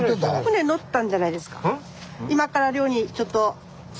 船乗ったんじゃないですか？